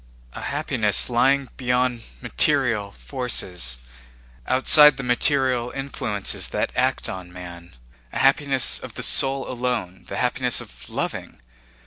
"A happiness lying beyond material forces, outside the material influences that act on man—a happiness of the soul alone, the happiness of loving.